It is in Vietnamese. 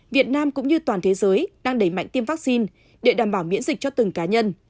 việt nam cũng như toàn thế giới đang đẩy mạnh tiêm vaccine để đảm bảo miễn dịch cho từng cá nhân